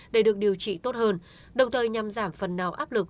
để được điều trị tốt hơn đồng thời nhằm giảm phần nào áp lực